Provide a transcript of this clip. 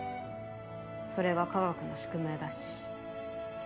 それが科学の宿命だし。